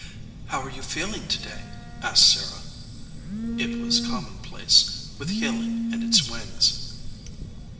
"How are you feeling to day?" asked Sarah. It was commonplace, with healing in its wings.